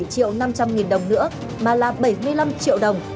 bảy triệu năm trăm linh nghìn đồng nữa mà là bảy mươi năm triệu đồng